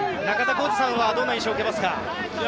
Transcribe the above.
中田浩二さんはどんな印象を受けますか？